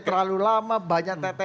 terlalu lama banyak teteh